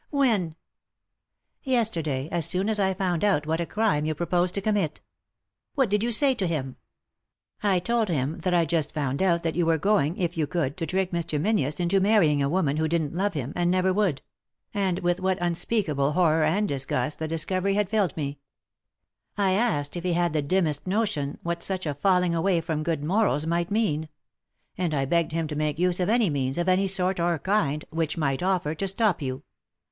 "When?" " Yesterday 1 as soon as I found out what a crime you proposed to commit," 282 3i 9 iii^d by Google THE INTERRUPTED KISS "What did you say to him ?" "I told him that I'd just found out that you were going, if you could, to trick Mr. Menzies into marry ing a woman who didn't love him, and never would ; and with what unspeakable horror and disgust the discovery had filled me. I asked if he had the dim mest notion what such a falling away from good morals might mean. And I begged him to make use of any means, of any sort or kind, which might offer, to stop you.